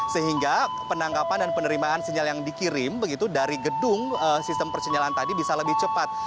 sehingga penangkapan dan penerimaan sinyal yang dikirim begitu dari gedung sistem persinyalan tadi bisa lebih cepat